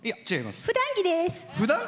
ふだん着です。